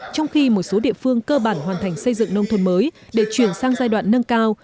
trong khi một số địa phương cơ bản hoàn thành xây dựng nông thôn mới để chuyển sang giai đoạn nâng cao